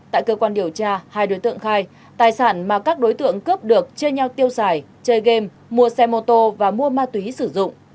tại cơ quan điều tra hai đối tượng khai tài sản mà các đối tượng cướp được chơi nhau tiêu xài chơi game mua xe mô tô và mua ma túy sử dụng